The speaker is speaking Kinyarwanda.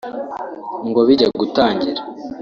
ngo bijya gutangira